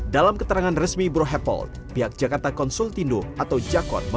dalam keterangan resmi bureau hapol pihak jakarta konsultindo atau jakot memilih